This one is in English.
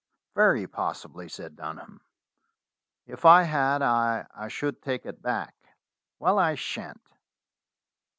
"Very possibly," said Dunham. "If I had I should take it back." "Well, I shan't."